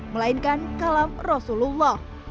melainkan kalam rasulullah